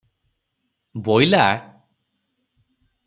ବୋଇଲା--